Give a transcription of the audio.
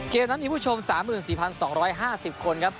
เกมนั้นมีผู้ชม๓๔๒๕๐คนครับ